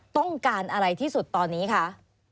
ต้องการอะไรที่สุดตอนนี้คะ